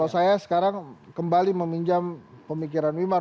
saya sekarang kembali meminjam pemikiran wimar